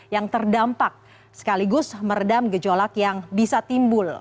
yang terdampak sekaligus meredam gejolak yang bisa timbul